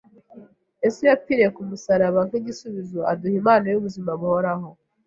Yesu yapfiriye ku musaraba nk’igisubizo aduha impano y’ubuzima buhoraho.